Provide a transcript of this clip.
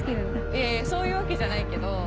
いやいやそういうわけじゃないけど。